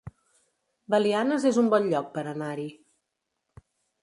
Belianes es un bon lloc per anar-hi